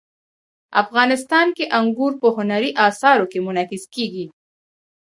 افغانستان کې انګور په هنري اثارو کې منعکس کېږي.